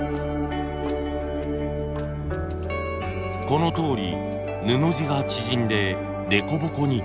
このとおり布地が縮んで凸凹に。